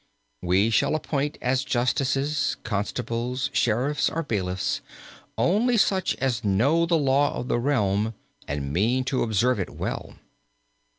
"We will appoint as justices, constables, sheriffs or bailiffs only such as know the law of the realm and mean to observe it well.